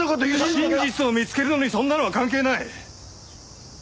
真実を見つけるのにそんなのは関係ない！